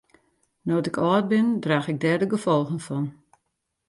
No't ik âld bin draach ik dêr de gefolgen fan.